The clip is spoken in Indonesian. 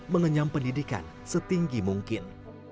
mengenyam pendidikan setinggi mungkin